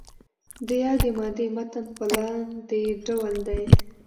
د یادې مادې متن په لاندې ډول دی.